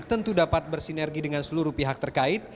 tentu dapat bersinergi dengan seluruh pihak terkait